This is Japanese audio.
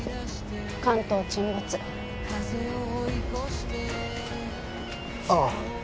関東沈没ああ